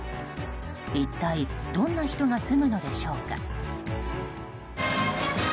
一体どんな人が住むのでしょうか。